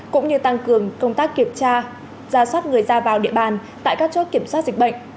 cũng như tăng cường công tác kiểm tra ra soát người ra vào địa bàn tại các chốt kiểm soát dịch bệnh